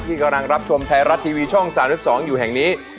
กำลังรับชมไทยรัฐทีวีช่อง๓๒อยู่แห่งนี้